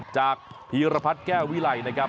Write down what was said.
จากพีรพัฒน์แก้ววิไลนะครับ